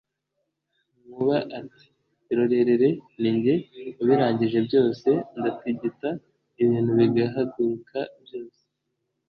Nkuba ati: "Irorerere ni jye ubirangije byose, ndatigita ibintu bigahaguruka byose